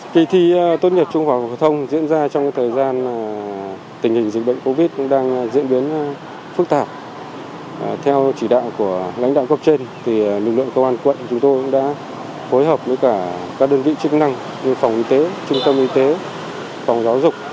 bên cạnh đó trước diễn biến dịch covid một mươi chín phức tạp công an tp hà nội đã phối hợp với nhà trường